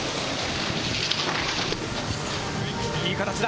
いい形だ。